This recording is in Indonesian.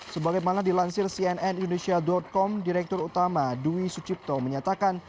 sebagaimana dilansir cnn indonesia com direktur utama dwi sucipto menyatakan